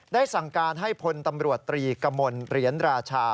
สั่งการให้พลตำรวจตรีกมลเหรียญราชา